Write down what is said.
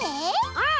うん！